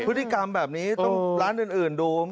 พฤติกรรมแบบนี้ต้องร้านอื่นดู